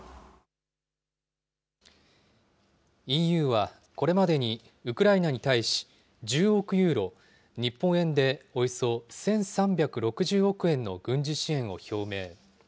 ＥＵは、これまでにウクライナに対し、１０億ユーロ、日本円でおよそ１３６０億円の軍事支援を表明。